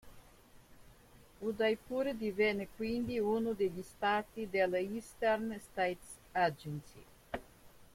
Udaipur divenne quindi uno degli Stati della Eastern States Agency.